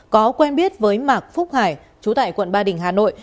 có quen biết với mạc phúc hải chú tại quận ba đình hà nội